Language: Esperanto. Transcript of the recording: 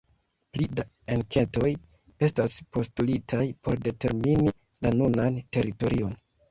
Pli da enketoj estas postulitaj por determini la nunan teritorion.